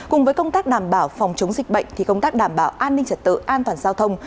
cùng với công tác đảm bảo phòng chống dịch bệnh thì công tác đảm bảo an ninh trật tự an toàn giao thông